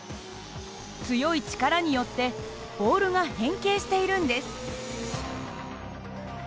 強い力によってボールが変形しているんです。